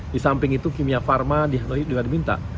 di samping itu kimia pharma juga diminta